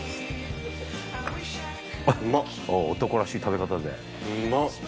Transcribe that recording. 男らしい食べ方で。